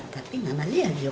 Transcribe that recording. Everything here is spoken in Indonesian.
tapi nggak ada yang lihat